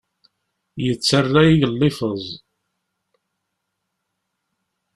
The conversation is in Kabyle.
Yettara igellifeẓ.